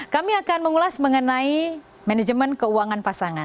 kami akan mengulas mengenai manajemen keuangan pasangan